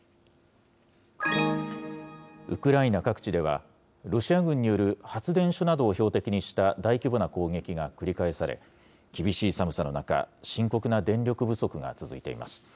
ウクライナ各地では、ロシア軍による発電所などを標的にした大規模な攻撃が繰り返され、厳しい寒さの中、深刻な電力不足が続いています。